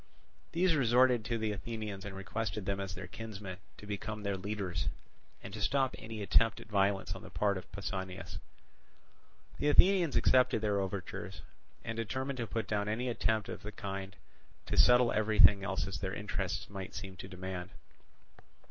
These resorted to the Athenians and requested them as their kinsmen to become their leaders, and to stop any attempt at violence on the part of Pausanias. The Athenians accepted their overtures, and determined to put down any attempt of the kind and to settle everything else as their interests might seem to demand.